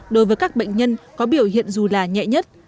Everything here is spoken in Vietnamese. đối với các bệnh nhân có biểu hiện dù là nhẹ nhất